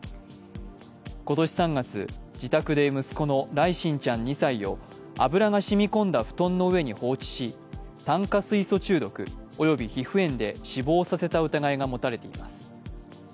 今年３月、自宅で息子の來心ちゃん２歳を油が染み込んだ布団の上に放置し、炭化水素中毒、および皮膚炎で死亡させた疑いが持たれています。